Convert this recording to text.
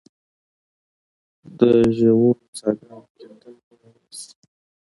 د ژورو څاه ګانو کیندل ودرول شي.